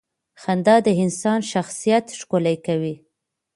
• خندا د انسان شخصیت ښکلې کوي.